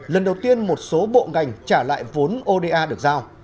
lần đầu tiên một số bộ ngành trả lại vốn oda được giao